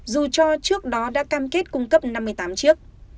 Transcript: dù cho trước đó đã cam kết cung cấp năm mươi tám chiếc